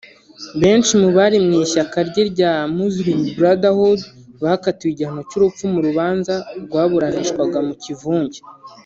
Benshi mu bari mu ishyaka rye rya Muslim Brothehood bakatiwe igihano cy’urupfu mu rubanza rwaburanishwaga mu kivunge